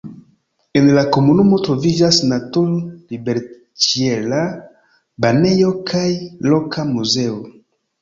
En la komunumo troviĝas natur-liberĉiela banejo kaj loka muzeo.